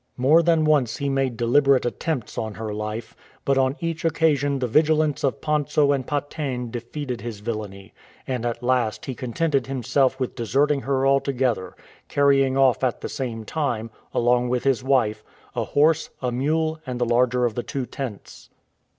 More than once he made deliberate attempts on her life, but on each occa sion the vigilance of Pontso and Pa tegn defeated his villainy; and at last he contented himself with deserting her altogether, carrying off at the same time, along with his wife, a horse, a mule, and the larger of the two tents.